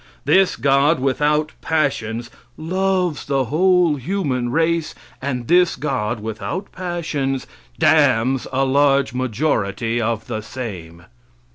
This God, without passions, loves the whole human race, and this God, without passions, damns a large majority of the same.